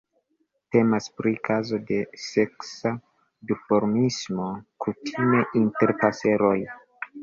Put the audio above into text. Temas pri kazo de seksa duformismo, kutime inter paseroj.